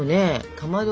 かまど